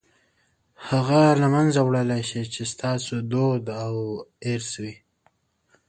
هغه له منځه وړلای شئ چې ستاسو دود او ارث وي.